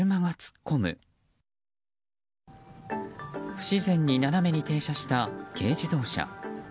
不自然に斜めに停車した軽自動車。